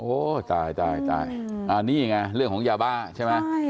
ตายตายอันนี้ไงเรื่องของยาบ้าใช่ไหม